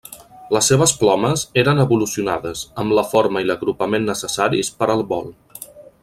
Les seves plomes eren evolucionades, amb la forma i l'agrupament necessaris per al vol.